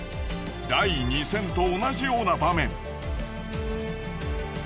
第２戦と同じような場面。